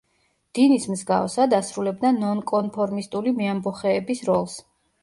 დინის მსგავსად, ასრულებდა ნონკონფორმისტული მეამბოხეების როლს.